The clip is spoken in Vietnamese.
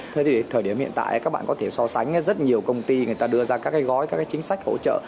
thế thì thời điểm hiện tại các bạn có thể so sánh rất nhiều công ty người ta đưa ra các cái gói các cái chính sách hỗ trợ